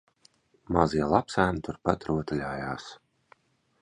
Mazie lapsēni turpat rotaļājās